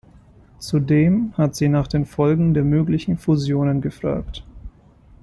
Zudem hat sie nach den Folgen der möglichen Fusionen gefragt.